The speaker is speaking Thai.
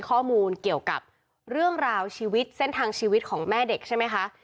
ข้อมูลเกี่ยวกับเรื่องราวชีวิตเส้นทางชีวิตของแม่เด็กใช่ไหมคะ